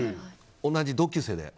同じ同級生で。